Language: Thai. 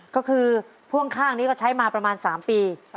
ก็คือพ่วงข้างนี้ก็ใช้มาประมาณ๓ปี